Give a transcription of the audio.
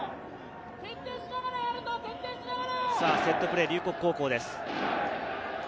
セットプレー、龍谷高校です。